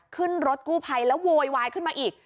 ขึ้นรถกู้ภัยแล้วโวยวายขึ้นมาอีก